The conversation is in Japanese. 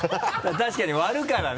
確かに割るからね。